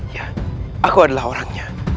ya aku adalah orangnya